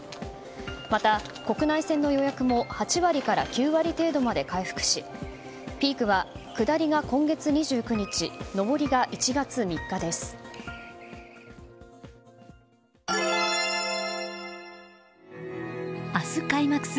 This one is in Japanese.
また、国内線の予約も８割から９割程度まで回復しピークは下りが今月２９日上りが１月３日です。